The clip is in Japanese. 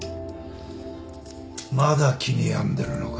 まだ気に病んでるのか？